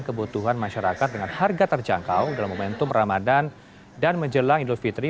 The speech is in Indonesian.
kebutuhan masyarakat dengan harga terjangkau dalam momentum ramadan dan menjelang idul fitri